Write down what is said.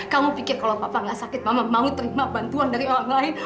kamu pikir kalau papa gak sakit bapak mau terima bantuan dari orang lain